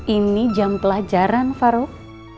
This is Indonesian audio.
ini jam pelajaran farouk